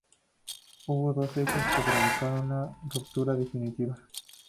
Hubo dos hechos que provocaron la ruptura definitiva.